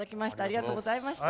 ありがとうございます。